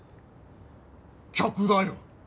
客だよ。